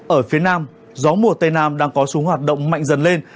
ở phía nam gió mùa tây nam đang có số hoạt động mạnh dần lên